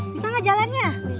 bisa nggak jalannya